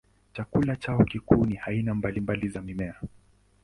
Chakula chao kikuu ni aina mbalimbali za mimea.